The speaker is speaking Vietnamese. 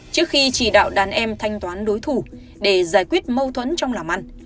trước khi chỉ đạo đàn em thanh toán đối thủ để giải quyết mâu thuẫn trong lò măn